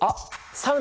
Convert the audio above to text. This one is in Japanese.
サウナ？